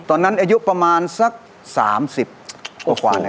ตอนนั้นอายุประมาณสัก๓๐กว่า